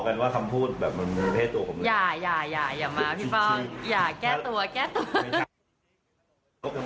เพราะว่าไม่รู้ได้โดนแฮ็กหรือว่าใครแกล้ง